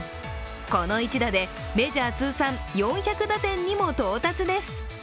この一打でメジャー通算４００打点にも到達です。